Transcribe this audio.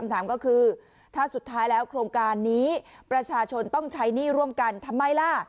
ถามก็คือถ้าสุดท้ายแล้วโครงการนี้ประชาชนต้องใช้หนี้ร่วมกันทำไมล่ะ